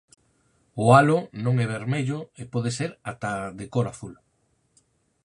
O halo non é vermello e pode ser ata de cor azul.